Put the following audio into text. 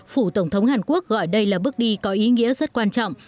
phủ tổng thống hàn quốc gọi đây là bước đi có ý nghĩa rất quan trọng